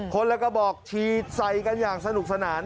คนละกระบอกฉีดใส่กันอย่างสนุกสนาน